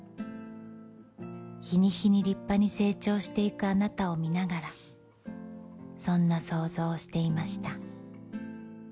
日に日に立派に成長して行くあなたを見ながらそんな想像をしていました。